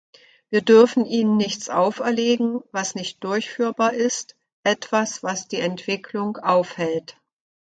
Wir dürfen ihnen nichts auferlegen, was nicht durchführbar ist, etwas, was die Entwicklung aufhält.